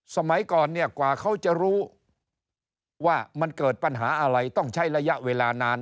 สมัยก่อนเนี่ยกว่าเขาจะรู้ว่ามันเกิดปัญหาอะไรต้องใช้ระยะเวลานาน